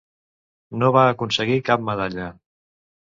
No va aconseguir cap medalla.